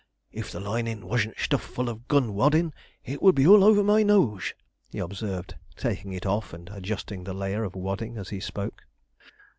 If the linin' wasn't stuffed full of gun waddin' it would be over my nose,' he observed, taking it off and adjusting the layer of wadding as he spoke.